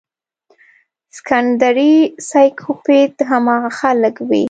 سيکنډري سائکوپېت هاغه خلک وي